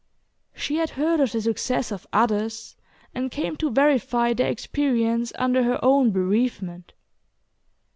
She had heard of the success of others, and came to verify their experience under her own bereavement.